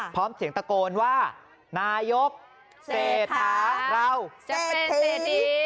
พร้อมเสียงตะโกนว่านายกเศรษฐาเราจะเป็นเครดดี